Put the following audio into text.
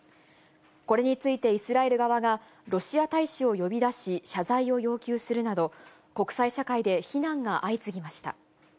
これについて、イスラエル側がロシア大使を呼び出し謝罪を要求するなど、国際社会で非難が相次ぎました。